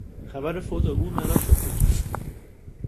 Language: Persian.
خبر فوت او مرا شوکه کرد.